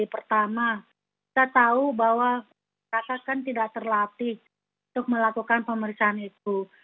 pertama kita tahu bahwa kakak kan tidak terlatih untuk melakukan pemeriksaan itu